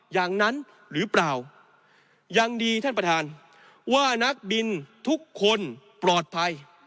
อย่างนั้นหรือเปล่ายังดีท่านประธานว่านักบินทุกคนปลอดภัย